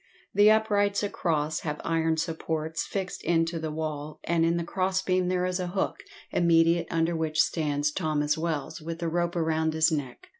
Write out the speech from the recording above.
The uprights across have iron supports fixed into the wall, and in the crossbeam there is a hook, immediate under which stands Thomas Wells, with the rope round his neck.